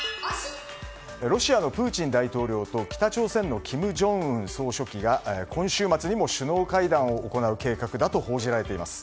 ロシアのプーチン大統領と北朝鮮の金正恩総書記が今週末にも首脳会談を行う計画だと報じられています。